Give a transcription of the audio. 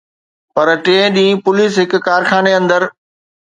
پر ٽئين ڏينهن پوليس هڪ ڪارخاني اندر